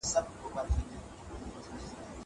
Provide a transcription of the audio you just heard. کېدای سي مېوې خراب وي.